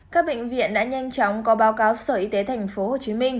các bệnh viện đã nhanh chóng có báo cáo sở y tế tp hcm